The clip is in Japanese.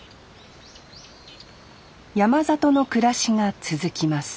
山里の暮らしが続きます